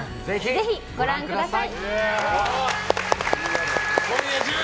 ぜひご覧ください。